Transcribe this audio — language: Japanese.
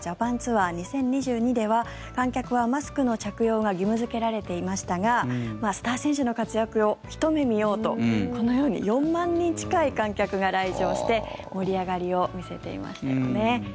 サッカーＪＡＰＡＮＴＯＵＲ２０２２では観客はマスクの着用が義務付けられていましたがスター選手の活躍をひと目見ようとこのように４万人近い観客が来場して盛り上がりを見せていましたよね。